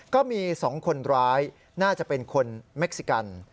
ก็มี๒คนร้ายน่าจะเป็นคนเม็กซิกัน